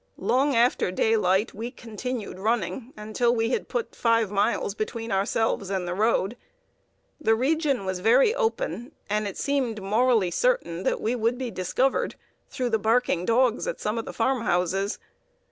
Long after daylight we continued running, until we had put five miles between ourselves and the road. The region was very open, and it seemed morally certain that we would be discovered through the barking dogs at some of the farm houses.